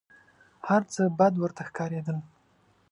هر څه بد ورته ښکارېدل .